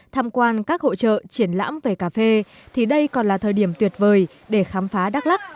tham quan các hội trợ triển lãm về cà phê thì đây còn là thời điểm tuyệt vời để khám phá đắk lắc